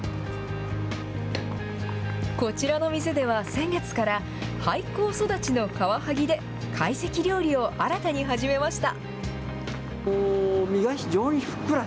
こちらの店では、先月から、廃校育ちのカワハギで会席料理を新たに始めました。